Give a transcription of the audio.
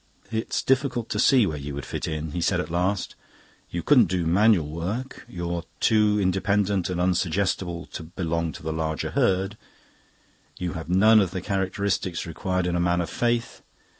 "It's difficult to see where you would fit in," he said at last. "You couldn't do manual work; you're too independent and unsuggestible to belong to the larger Herd; you have none of the characteristics required in a Man of Faith.